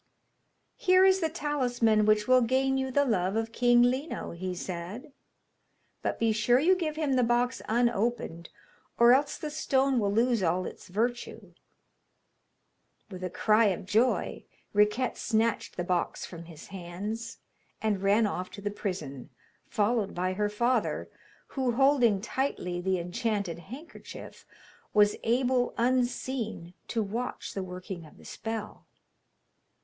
'Here is the talisman which will gain you the love of King Lino,' he said; 'but be sure you give him the box unopened, or else the stone will lose all its virtue.' With a cry of joy Riquette snatched the box from his hands, and ran off to the prison, followed by her father, who, holding tightly the enchanted handkerchief, was able, unseen, to watch the working of the spell.